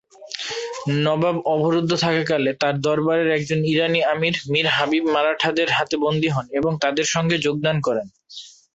নবাব অবরুদ্ধ থাকাকালে তার দরবারের একজন ইরানি আমির মীর হাবিব মারাঠাদের হাতে বন্দি হন এবং তাদের সঙ্গে যোগদান করেন।